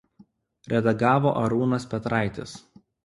Redagavo Arūnas Petraitis.